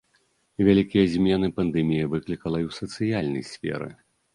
Вялікія змены пандэмія выклікала і ў сацыяльнай сферы.